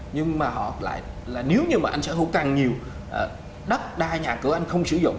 nhưng mà họ lại là nếu như mà anh sở hữu càng nhiều đất đai nhà cửa anh không sử dụng